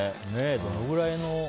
どのくらいの。